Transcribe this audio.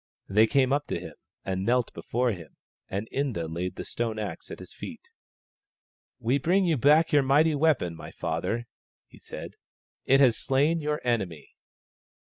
They came up to him and knelt before him and Inda laid the stone axe at his feet. " We bring you back your mighty weapon, my THE STONE AXE OF BURKAMUKK 47 father," he said. " It has slain your enemy."